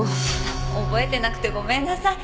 覚えてなくてごめんなさい。